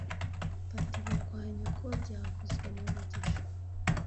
Fata ibi kwa nyoko byavuzwe na mugisha